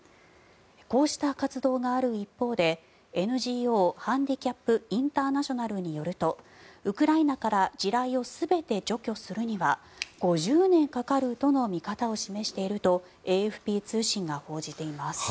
こうした活動がある一方でＮＧＯハンディキャップ・インターナショナルによるとウクライナから地雷を全て除去するには５０年かかるとの見方を示しているとＡＦＰ通信が報じています。